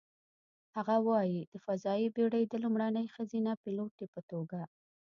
هغه وايي: "د فضايي بېړۍ د لومړنۍ ښځینه پیلوټې په توګه،